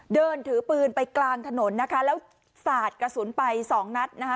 เดินถือปืนไปกลางถนนนะคะแล้วสาดกระสุนไปสองนัดนะคะ